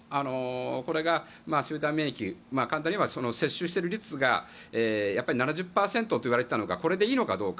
これが集団免疫簡単に言えば接種している率がやっぱり７０％といわれていたのがこれでいいのかどうか。